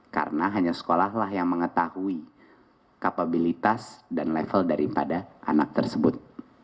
karena hanya sekolahlah yang mengetahui kapabilitas dan level daripada anak tersebut